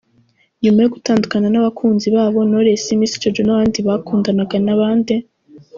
Nyuma yo gutandukana n’abakunzi babo, noresi, Misi Jojo n’abandi bakundana na bande?